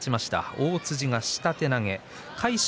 大辻が下手投げ。